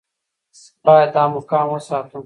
باید دا مقام وساتو.